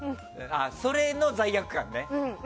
それの罪悪感ね。